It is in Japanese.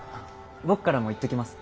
僕からも言っときます。